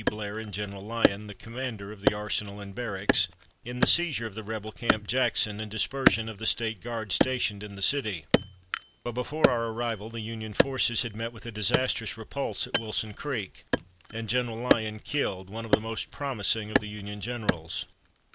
Blair and General Lyon, the commander of the arsenal and barracks, in the seizure of the rebel Camp Jackson, and dispersion of the State Guards stationed in the city. But before our arrival the Union forces had met with a disastrous repulse at Wilson Creek, and General Lyon killed, one of the most promising of the Union generals.